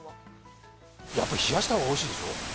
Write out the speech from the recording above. やっぱ冷やした方がおいしいでしょ？